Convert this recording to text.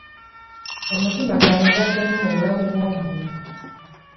Omutima gwa mugaso nnyo mu bulamu bw'omuntu.